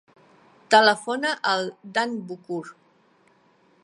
Telefona al Dan Bucur.